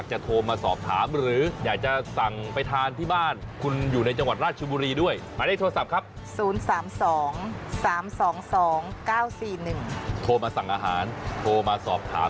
ขอบคุณครับ